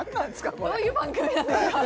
これどういう番組なんですか？